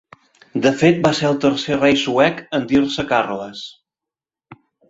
De fet va ser el tercer rei suec en dir-se Carles.